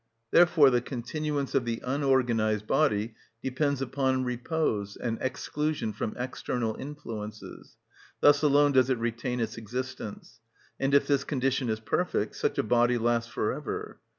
Therefore the continuance of the unorganised body depends upon repose and exclusion from external influences: thus alone does it retain its existence; and if this condition is perfect, such a body lasts for ever.